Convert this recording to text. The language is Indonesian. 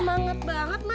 semangat banget ma